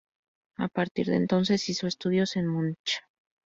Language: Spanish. A partir de entonces hizo estudios en Múnich.